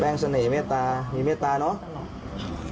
แป้งเสน่ห์เมฆตามีเมฆตาเนาะ